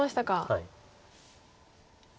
はい。